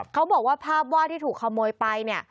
เขาบอกว่าภาพว่าที่ถูกขโมยไป